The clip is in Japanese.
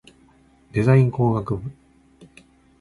デザイン工学部